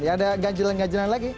ya ada ganjelan ganjelan lagi